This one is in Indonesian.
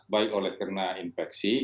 baik oleh kena infeksi